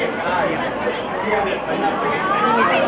อันดับสุดของเมืองอ